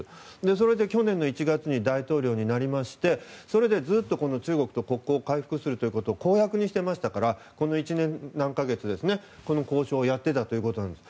それで、去年の１月に大統領になりましてそれで、ずっと中国と国交を回復することを公約にしていましたからこの１年何か月この交渉をやっていたということなんです。